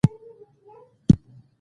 د توبې اساسي شرط دا دی چې ګناه پريږدي